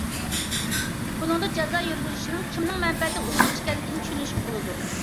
بۇنىڭدىن جازا يۈرگۈزۈشنىڭ كىمنىڭ مەنپەئەتىگە ئۇيغۇن ئىكەنلىكىنى چۈشىنىۋېلىشقا بولىدۇ.